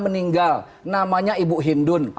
meninggal namanya ibu hindun